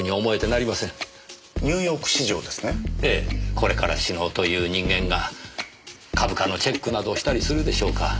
これから死のうという人間が株価のチェックなどしたりするでしょうか？